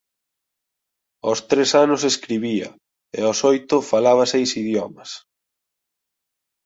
Aos tres anos escribía e aos oito falaba seis idiomas.